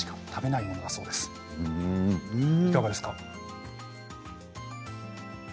いかがですか？